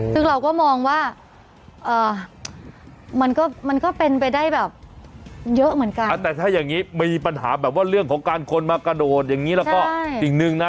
ซึ่งเราก็มองว่ามันก็มันก็เป็นไปได้แบบเยอะเหมือนกันแต่ถ้าอย่างนี้มีปัญหาแบบว่าเรื่องของการคนมากระโดดอย่างนี้แล้วก็สิ่งหนึ่งนะ